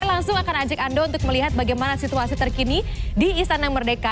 langsung akan ajak anda untuk melihat bagaimana situasi terkini di istana merdeka